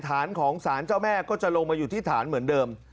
ฐานของสารเจ้าแม่ก็จะลงมาอยู่ที่ฐานเหมือนเดิม